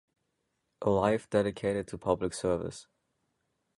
A life dedicated to public service.